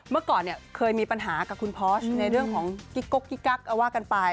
เมื่อก่อนเนี่ยเคยมีปัญหากับคุณพอชในเรื่องของกิ๊กก๊กกิ๊กกักเอาว่ากันไป